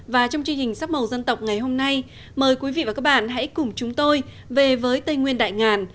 và trong chương trình sắc màu dân tộc ngày hôm nay mời quý vị và các bạn hãy cùng chúng tôi về với tây nguyên đại ngàn